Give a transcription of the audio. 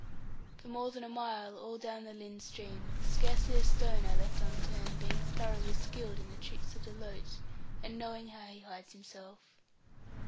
For more than a mile all down the Lynn stream, scarcely a stone I left unturned, being thoroughly skilled in the tricks of the loach, and knowing how he hides himself.